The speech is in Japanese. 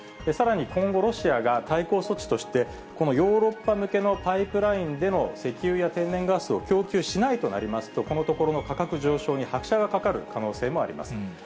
さらに今後、ロシアが対抗措置として、このヨーロッパ向けのパイプラインでの石油や天然ガスを供給しないとなりますと、このところの価格上昇に拍車がかかる可能性もあります。